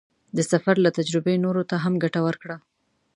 د سفر له تجربې نورو ته هم ګټه ورکړه.